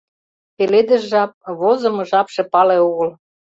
«Пеледыш жап» — возымо жапше пале огыл.